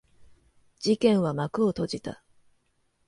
事件は幕を閉じた。